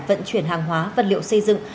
vận chuyển hàng hóa vật liệu xây dựng